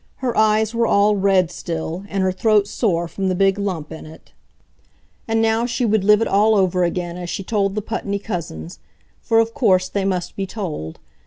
Her eyes were all red still, and her throat sore from the big lump in it. And now she would live it all over again as she told the Putney cousins. For of course they must be told.